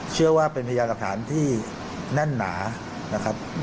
เชื่อว่าเป็นพยานหลักฐานที่แน่นหนานะครับ